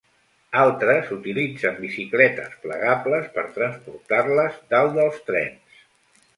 Altres utilitzen bicicletes plegables per transportar-les dalt dels trens.